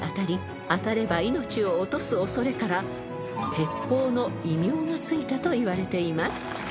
［鉄砲の異名が付いたといわれています］